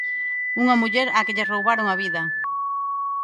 Unha muller á que lle roubaron a vida.